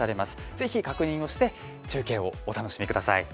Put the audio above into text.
ぜひ確認をして中継をお楽しみください。